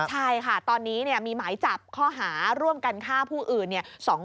ใช่ค่ะตอนนี้มีหมายจับข้อหาร่วมกันฆ่าผู้อื่น